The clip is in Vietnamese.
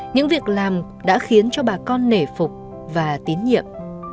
những việc làm đã khiến cho bà con nể phục và tín nhiệm